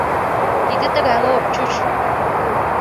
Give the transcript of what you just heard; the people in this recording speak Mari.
Тиде тыгайла ок чуч.